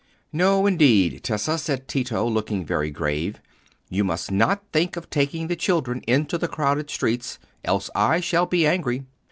"No, indeed, Tessa," said Tito, looking rather grave, "you must not think of taking the children into the crowded streets, else I shall be angry."